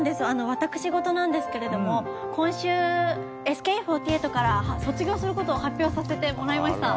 私事なんですけれども今週、ＳＫＥ４８から卒業することを発表させてもらいました。